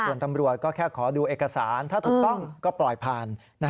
ส่วนตำรวจก็แค่ขอดูเอกสารถ้าถูกต้องก็ปล่อยผ่าน